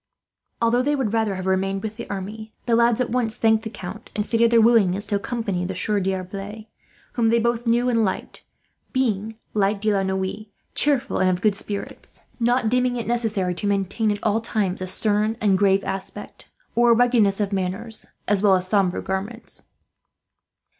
Although they would rather have remained with the army, the lads at once thanked the Count; and stated their willingness to accompany the Sieur D'Arblay, whom they both knew and liked being, like De la Noue, cheerful and of good spirits; not deeming it necessary to maintain at all times a stern and grave aspect, or a ruggedness of manner, as well as sombre garments.